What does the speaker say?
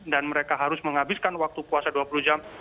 dan mereka harus menghabiskan waktu puasa dua puluh jam